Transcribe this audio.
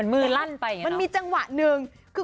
มันมีจังหวะนึง